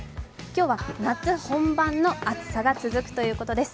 今日は夏本番の暑さが続くということです。